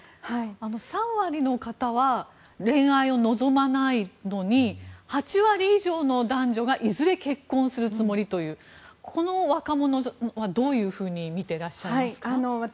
３割の方は恋愛を望まないのに８割以上の男女がいずれ結婚するつもりというこの若者はどういうふうに見てらっしゃいますか？